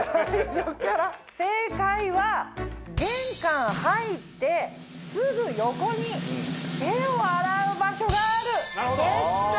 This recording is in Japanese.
正解は玄関入ってすぐ横に手を洗う場所があるでした。